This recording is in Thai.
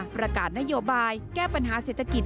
ประกาศนโยบายแก้ปัญหาเศรษฐกิจ